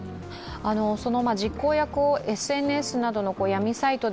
その実行役をＳＮＳなどの闇サイトで